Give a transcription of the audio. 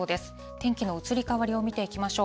天気の移り変わりを見ていきましょう。